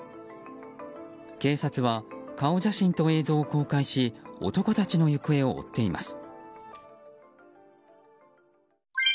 警察は顔写真と映像を公開し男たちの行方を追っています。